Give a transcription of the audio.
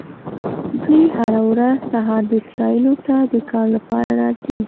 دوی هره ورځ سهار اسرائیلو ته د کار لپاره راځي.